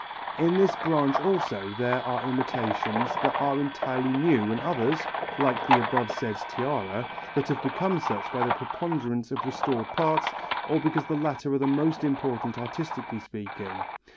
In this branch also there are imitations that are entirely new and others, like the above said tiara, that have become such by the preponderance of restored parts, or because the latter are the most important artistically speaking.